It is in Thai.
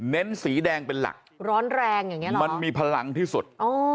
สีแดงเป็นหลักร้อนแรงอย่างเงี้นะมันมีพลังที่สุด